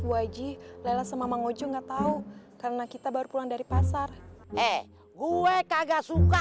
waji lela sama mang oji enggak tahu karena kita baru pulang dari pasar eh gue kagak suka